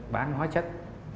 bán hoa chất